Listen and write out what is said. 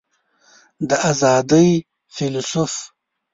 د آزادۍ فیلیسوف